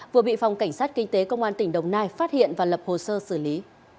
vừa bị phòng cảnh sát kinh tế công an tỉnh đồng nai phát hiện và lập hồ sơ xử lý